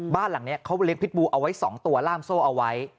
บ้านหลังนี้เขาเลี้ยพิษบูเอาไว้๒ตัวล่ามโซ่เอาไว้